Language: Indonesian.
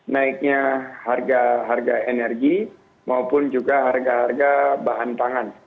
naiknya harga harga energi maupun juga harga harga bahan pangan